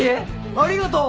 ありがとう。